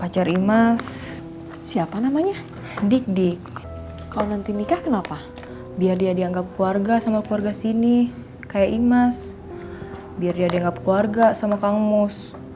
jadi dia dengar keluarga sama kang mus